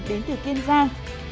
đến từ tiên giang